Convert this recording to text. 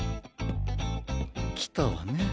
きたわね。